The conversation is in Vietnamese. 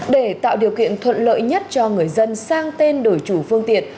để tạo điều kiện thuận lợi nhất cho người dân sang tên đổi chủ phương tiện